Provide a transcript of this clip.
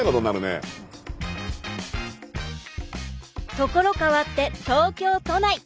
ところ変わって東京都内。